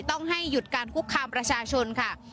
ต้องให้หยุดการคุกคามประชาชนค่ะ